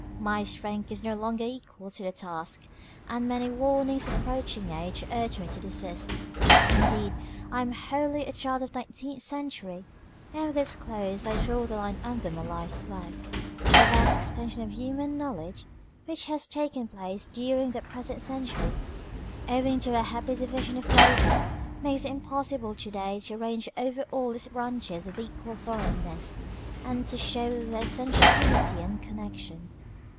My strength is no longer equal to the task, and many warnings of approaching age urge me to desist. Indeed, I am wholly a child of the nineteenth century, and with its close I draw the line under my life's work. The vast extension of human knowledge which has taken place during the present century, owing to a happy division of labor, makes it impossible to day to range over all its branches with equal thorough ness, and to show their essential unity and connec tion.